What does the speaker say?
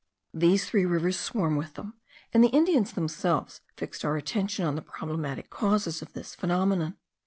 These three rivers swarm with them; and the Indians themselves fixed our attention on the problematic causes of this phenomenon.